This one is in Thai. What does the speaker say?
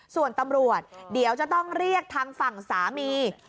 ส่วนตำรวจเดี๋ยวจะต้องเรียกทางฝั่งสามี